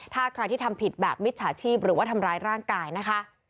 ถ้าใครที่ทำผิดแบบมิจฉาชีพหรือว่าทำร้ายร่างกายนะคะ